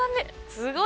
すごい。